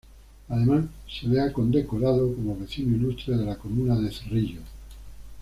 Además se le ha condecorado como vecino ilustre de la comuna de Cerrillos.